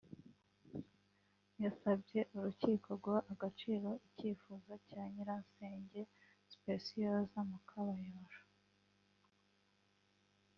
yasabye urukiko guha agaciro icyifuzo cya nyirasenge Speciosa Mukabayojo